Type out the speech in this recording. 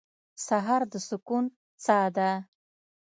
سهار د سکون ساه ده.